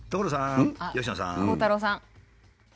鋼太郎さん。